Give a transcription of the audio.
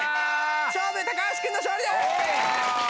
勝負橋君の勝利です！